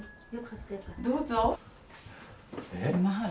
どうぞ。